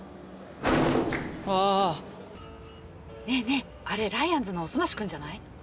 ねえねえあれライアンズのおすまし君じゃない？